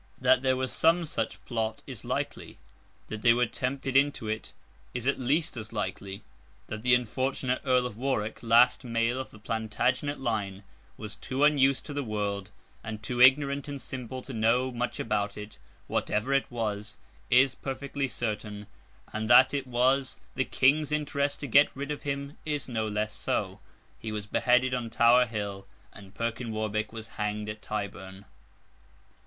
That there was some such plot, is likely; that they were tempted into it, is at least as likely; that the unfortunate Earl of Warwick—last male of the Plantagenet line—was too unused to the world, and too ignorant and simple to know much about it, whatever it was, is perfectly certain; and that it was the King's interest to get rid of him, is no less so. He was beheaded on Tower Hill, and Perkin Warbeck was hanged at Tyburn.